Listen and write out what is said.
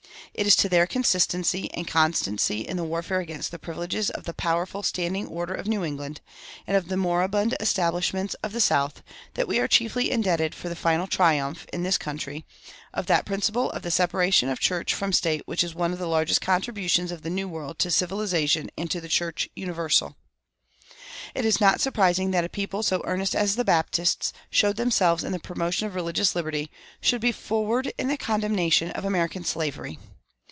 It is to their consistency and constancy in the warfare against the privileges of the powerful "Standing Order" of New England, and of the moribund establishments of the South, that we are chiefly indebted for the final triumph, in this country, of that principle of the separation of church from state which is one of the largest contributions of the New World to civilization and to the church universal. It is not surprising that a people so earnest as the Baptists showed themselves in the promotion of religious liberty should be forward in the condemnation of American slavery.